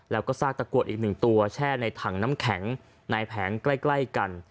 แล้วก็ซากตะกรวดอีกหนึ่งตัวแช่ในถังน้ำแข็งในแผงใกล้กัน